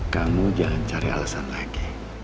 kamu jangan cari alasan lagi